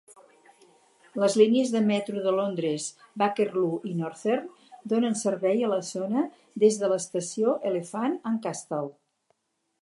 Les línies de metro de Londres Bakerloo i Northern donen servei a la zona des de l'estació Elephant and Castle.